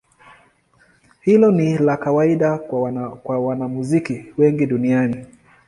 Hilo ni la kawaida kwa wanamuziki wengi duniani.